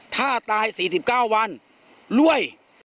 ถ้าตาย๔๙วันรวย